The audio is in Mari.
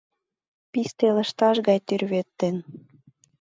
Писте лышташ гай тӱрвет ден